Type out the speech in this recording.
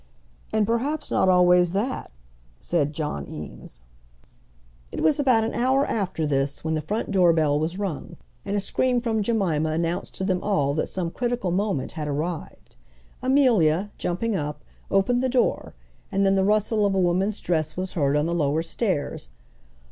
"And perhaps not always that," said John Eames. It was about an hour after this when the front door bell was rung, and a scream from Jemima announced to them all that some critical moment had arrived. Amelia, jumping up, opened the door, and then the rustle of a woman's dress was heard on the lower stairs.